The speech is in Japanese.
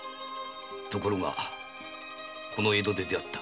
ところがこの江戸で出会った。